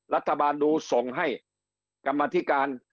รัฐบาลดูส่งให้กรรมธิการ